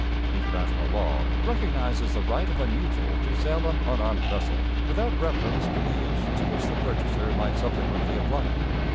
International law recognizes the right of a neutral to sell an unarmed vessel, without reference to the use to which the purchaser might subsequently apply it.